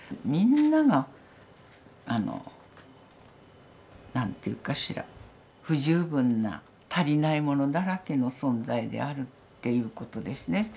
みんながあの何と言うかしら不十分な足りないものだらけの存在であるということですね。